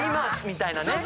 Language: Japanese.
みたいなね。